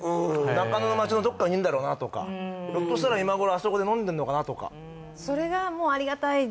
中野の街のどっかにいんだろうなとかひょっとしたら今頃あそこで飲んでんのかなとかそれがもうありがたいですね